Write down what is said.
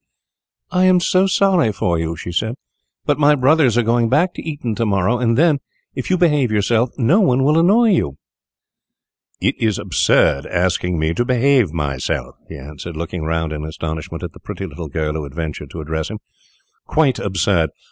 "I am so sorry for you," she said, "but my brothers are going back to Eton to morrow, and then, if you behave yourself, no one will annoy you." "It is absurd asking me to behave myself," he answered, looking round in astonishment at the pretty little girl who had ventured to address him, "quite absurd.